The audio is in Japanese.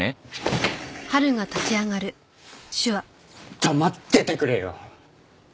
黙っててくれよ！